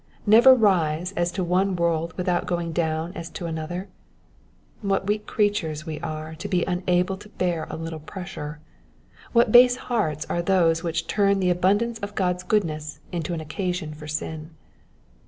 Never rise as to one world without going down as to another ! What weak creatures we are to be unable to bear a little pleasure I What base hearts are those which turn the abundance of God's goodness into an occasion for sin.